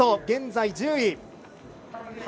現在１０位。